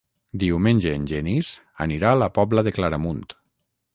Diumenge en Genís anirà a la Pobla de Claramunt.